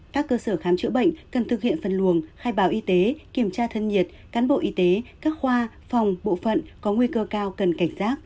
các cơ sở khám chữa bệnh cần thực hiện phân luồng khai báo y tế kiểm tra thân nhiệt cán bộ y tế các khoa phòng bộ phận có nguy cơ cao cần cảnh giác